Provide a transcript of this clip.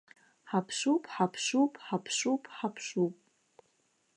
Ҳаԥшуп, ҳаԥшуп, ҳаԥшуп, ҳаԥшуп!